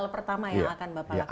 hal pertama yang akan bapak lakukan